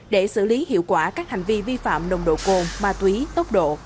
để xử lý hiệu quả các hành vi vi phạm nồng độ cồn ma túy tốc độ